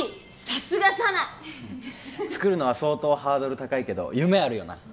さすが佐奈作るのは相当ハードル高いけど夢あるよな